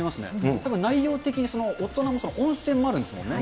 たぶん内容的に大人の温泉もあるんですもんね。